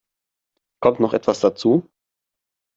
Kommt noch etwas dazu?